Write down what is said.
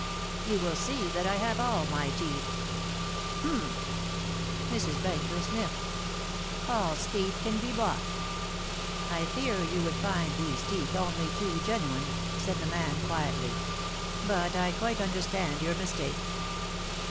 "You will see that I have all my teeth." "H'm!" Mrs. Benker sniffed. "False teeth can be bought." "I fear you would find these teeth only too genuine," said the man quietly. "But I quite understand your mistake."